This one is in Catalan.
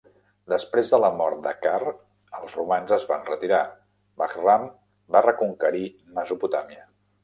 Després de la mort de Car, els romans es van retirar, Bahram va reconquerir Mesopotàmia.